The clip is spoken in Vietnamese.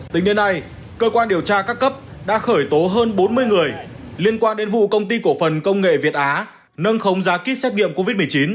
tính đến nay cơ quan điều tra các cấp đã khởi tố hơn bốn mươi người liên quan đến vụ công ty cổ phần công nghệ việt á nâng không giá kích xét nghiệm covid một mươi chín